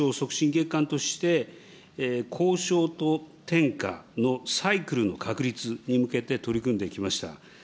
月間として、交渉と転嫁のサイクルの確立に向けて取り組んできました。